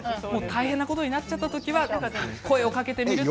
大変なことになっちゃった時は声かけてみると。